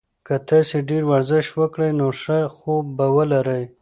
که تاسي ډېر ورزش وکړئ نو ښه خوب به ولرئ.